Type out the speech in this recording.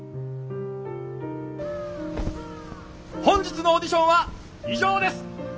本日のオーディションは以上です！